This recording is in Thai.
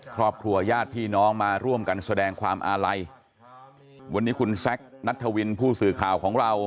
ครอบครัวญาติพี่น้องมาร่วมกันแสดงความอาลัยวันนี้คุณแซคนัทธวินผู้สื่อข่าวของเรา